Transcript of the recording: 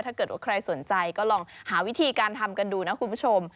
ถ้าเกิดว่าใครสนใจก็ลองหาวิธีการทำกันดูนะคุณผู้ชม